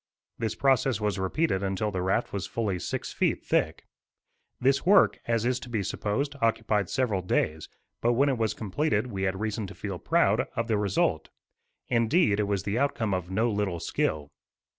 This process was repeated until the raft was fully six feet thick. This work, as is to be supposed, occupied several days; but when it was completed we had reason to feel proud of the result. Indeed, it was the outcome of no little skill.